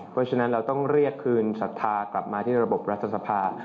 เพราะฉะนั้นเราต้องเรียกคืนศรัทธากลับมาที่ระบบรัฐสภา